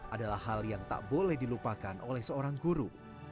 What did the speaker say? adalah hal yang tak boleh dilupakan oleh seorang guru